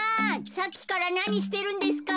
さっきからなにしてるんですか？